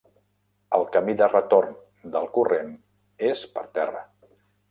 El camí de retorn del corrent és per terra.